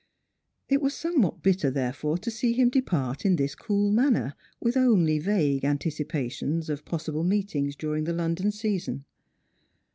It was somewhat bitter therefore to see him depart in this cool manner, with only vague anticipa tions of possible meetinits during the London season.